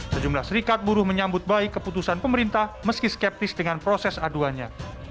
sejumlah serikat buruh menyambut baik keputusan pemerintah meski skeptis dengan proses aduannya